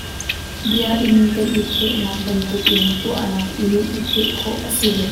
Bia in kan i phehnak bantuk in tuahnak i i pheh khawh a si ve.